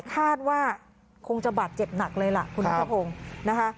คาดว่าคงจะบัดเจ็บหนักเลยล่ะครับคุณผู้ชมนะคะ